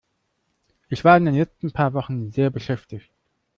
Ich war in den letzten paar Wochen sehr beschäftigt.